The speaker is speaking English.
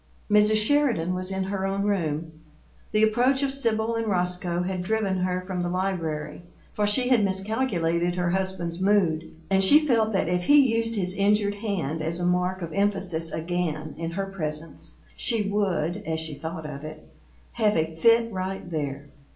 Mrs. Sheridan was in her own room. The approach of Sibyl and Roscoe had driven her from the library, for she had miscalculated her husband's mood, and she felt that if he used his injured hand as a mark of emphasis again, in her presence, she would (as she thought of it) "have a fit right there."